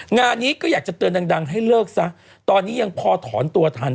งานนี้ก็อยากจะเตือนดังให้เลิกซะตอนนี้ยังพอถอนตัวทัน